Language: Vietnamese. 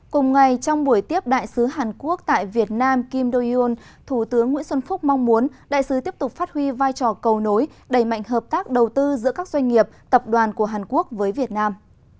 cùng ngày trong buổi tiếp đại sứ hàn quốc tại việt nam kim do yoon thủ tướng nguyễn xuân phúc mong muốn đại sứ tiếp tục phát huy vai trò cầu nối đẩy mạnh hợp tác đầu tư giữa các doanh nghiệp tập đoàn của hàn quốc với việt nam